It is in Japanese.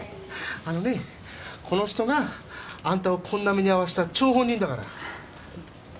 あのねこの人があんたをこんな目に遭わせた張本人だから。